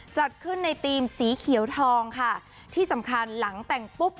จัดขึ้นในธีมสีเขียวทองค่ะที่สำคัญหลังแต่งปุ๊บ